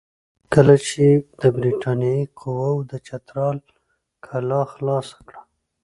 کله چې د برټانیې قواوو د چترال کلا خلاصه کړه.